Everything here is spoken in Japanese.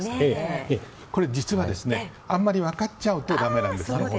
実は、あんまり分かっちゃうとだめなんです。